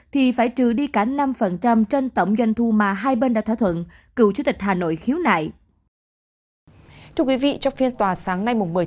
thì phải trừ đi cả năm trên tổng doanh thu mà hai bên đã thỏa thuận